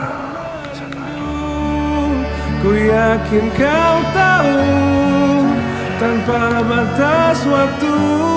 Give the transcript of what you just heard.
aku yakin kau tahu tanpa batas waktu